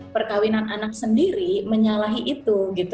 perkawinan anak sendiri menyalahi itu